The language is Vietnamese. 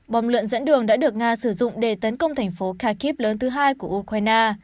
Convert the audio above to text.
bom luận dẫn đường đã được nga sử dụng để tấn công thành phố kakip lớn thứ hai của ukraine